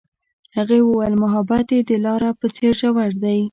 هغې وویل محبت یې د لاره په څېر ژور دی.